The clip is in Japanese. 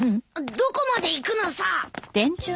どこまで行くのさ！